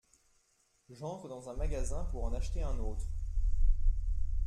J’entre dans un magasin pour en acheter un autre…